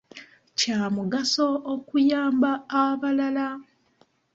Kya mugaso okuyamba abalala.